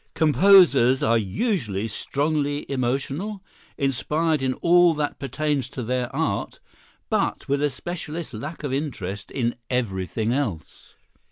Composers are usually strongly emotional, inspired in all that pertains to their art, but with a specialist's lack of interest in everything else.